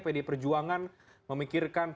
pd perjuangan memikirkan